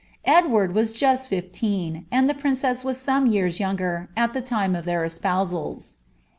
Edward was just fif^n, and the princess e years younger,' at the time of their espousals.